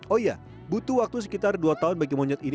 oh iya butuh waktu sekitar dua tahun bagi monyet ini